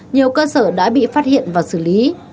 nhiều cơ sở đã bị phát hiện và xử lý